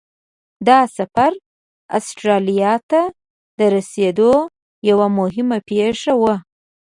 دا سفر استرالیا ته د رسېدو یوه مهمه پیښه وه.